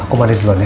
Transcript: aku mandi dulu ya